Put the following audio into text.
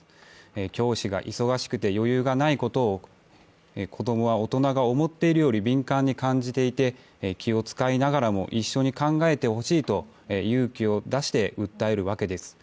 教師が忙しくて余裕がないことを子供は大人が思っているより敏感に感じていて、気を使いながらも一緒に考えてほしいと勇気を出して訴えるわけです。